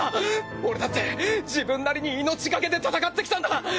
俺だって自分なりに命がけで戦ってきたんだ！